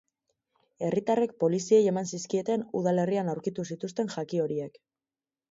Herritarrek poliziei eman zizkieten udalerrian aurkitu zituzten jaki horiek.